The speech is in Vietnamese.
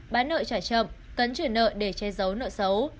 bán nợ trả chậm cấn trừ nợ để che giấu nợ xấu